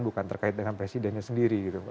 bukan terkait dengan presidennya sendiri gitu